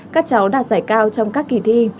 các cháu đạt giải cao trong các kỳ thi